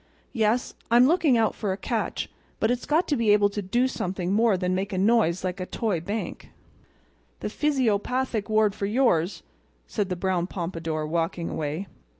Yes, I'm looking out for a catch; but it's got to be able to do something more than make a noise like a toy bank." "The physiopathic ward for yours!" said the brown pompadour, walking away.